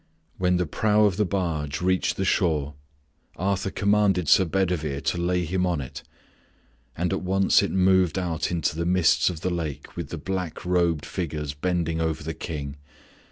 When the prow of the barge reached the shore, Arthur commanded Sir Bedivere to lay him on it and at once it moved out into the mists of the lake with the black robed figures bending over the King.